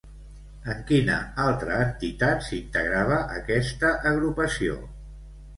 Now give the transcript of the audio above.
En quina altra entitat s'integrava, aquesta agrupació?